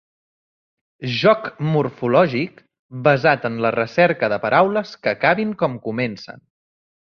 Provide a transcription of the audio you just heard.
Joc morfològic basat en la recerca de paraules que acabin com comencen.